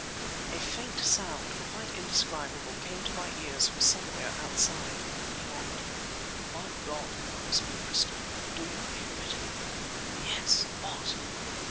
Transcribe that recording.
A faint sound, quite indescribable, came to my ears from somewhere outside beyond. "My God!" whispered Bristol. "Did you hear it?" "Yes! What?"